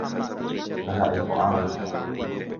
Ndaha'éi ko'ãvante.